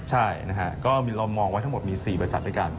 ใช่นะครับเรามองไว้ทั้งหมดมี๔ตัวประสัตว์